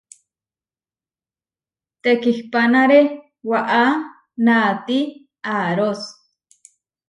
Tekihpánare waʼá naáti aarós.